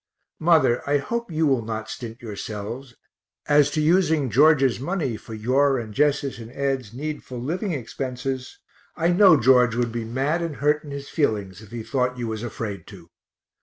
Mother, I hope you will not stint yourselves as to using George's money for your and Jess's and Ed's needful living expenses, I know George would be mad and hurt in his feelings if he thought you was afraid to.